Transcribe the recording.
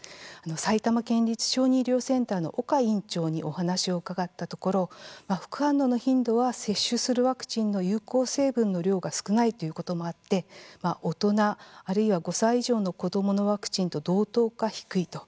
埼玉県立小児医療センターの岡院長にお話を伺ったところ副反応の頻度は接種するワクチンの有効成分の量が少ないということもあって大人、あるいは５歳以上の子どものワクチンと同等か低いと。